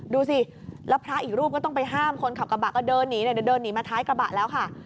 ดูสิแล้วพระอีกรูปก็ต้องไปห้ามคนขับกระบะก็เดินหนีเดี๋ยวเดินหนีมาท้ายกระบะแล้วค่ะ